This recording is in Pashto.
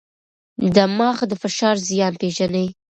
دماغ د فشار زیان پېژني.